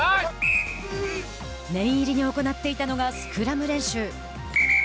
念入りに行っていたのがスクラム練習。